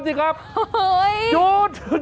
จัดกระบวนพร้อมกัน